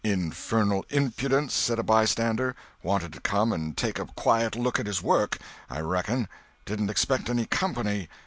"Infernal impudence!" said a bystander; "wanted to come and take a quiet look at his work, I reckon—didn't expect any company."